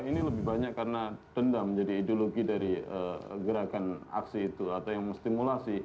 ini lebih banyak karena dendam menjadi ideologi dari gerakan aksi itu atau yang memstimulasi